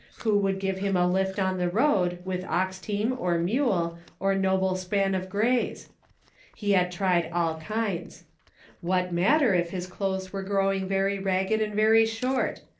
Who would give him a lift on the road, with ox team, or mule, or noble span of grays .* He had tried all kinds. What matter if his clothes were growing very 38 PRACTICING. ragged and very short